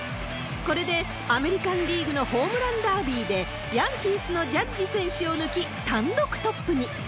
これでアメリカンリーグのホームランダービーで、ヤンキースのジャッジ選手を抜き、単独トップに。